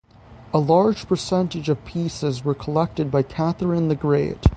A large percentage of pieces were collected by Catherine the Great.